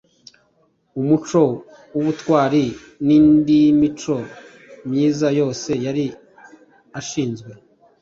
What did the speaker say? umuco w’ubutwari, n’indiimico myiza yose yari ashinzwe